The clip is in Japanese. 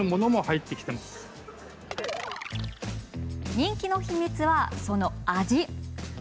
人気の秘密は、その味です。